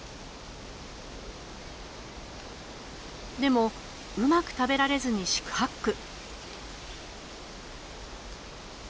でもうまく食べられずに四苦八苦。